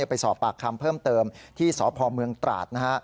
ไปสอบปากคำเพิ่มเติมที่สพเมืองตราดนะฮะ